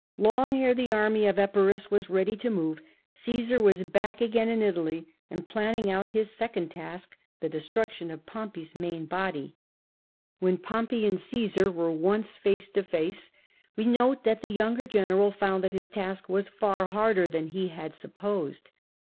Long ere the army of Epirus was ready to move, Osesar was back again in Italy and planning out his second task, the destruction of Pompoy's main body. When l^ompey and Gmm were opce face to face, we POMPEY 284 note that the younger general found that his task was far harder than he had supposed.